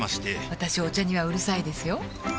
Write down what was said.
私お茶にはうるさいですよ